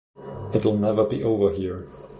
It'll never be over here.